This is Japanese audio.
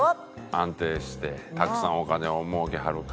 安定してたくさんお金をもうけはる方という。